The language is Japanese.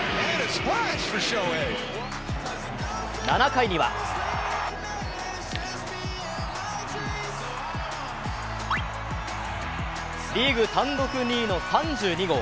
７回にはリーグ単独２位の３２号。